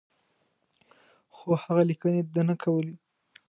خو هغه لیکني ده نه کولې.